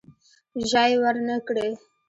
ژای ورنه کړي.